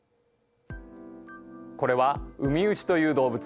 これはウミウシという動物。